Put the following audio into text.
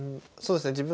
そうですね